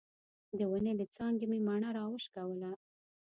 د ونې له څانګې مې مڼه راوشکوله.